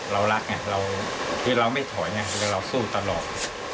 เรารักที่เราไม่ถอยเราสู้ตลอด